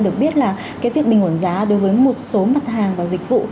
được biết là cái việc bình ổn giá đối với một số mặt hàng và dịch vụ